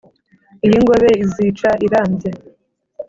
iy’ingobe izica irambye